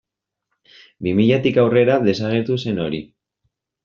Bi milatik aurrera desagertu zen hori.